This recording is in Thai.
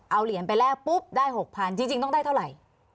เอาเหรียญไปแลกปุ๊บได้๖๐๐๐จริงต้องได้เท่าไหร่